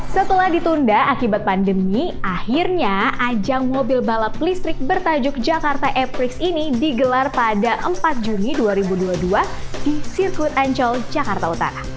setelah ditunda akibat pandemi akhirnya ajang mobil balap listrik bertajuk jakarta aprix ini digelar pada empat juni dua ribu dua puluh dua di sirkuit ancol jakarta utara